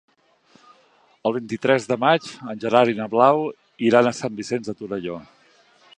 El vint-i-tres de maig en Gerard i na Blau iran a Sant Vicenç de Torelló.